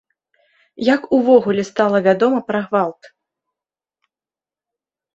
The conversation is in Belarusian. Як увогуле стала вядома пра гвалт?